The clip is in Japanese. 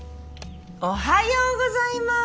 おはようございます！